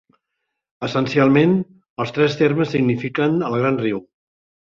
Essencialment, els tres termes signifiquen "el gran riu".